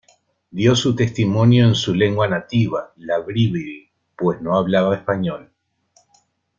Dio su testimonio en su lengua nativa, la bribri, pues no hablaba español.